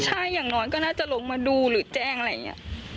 ใช่อย่างน้อยก็น่าจะลงมาดูหรือแจ้งอะไรอย่างนี้